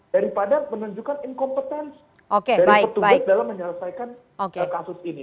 daripada menunjukkan incompetence dari petugas dalam menyelesaikan kasus ini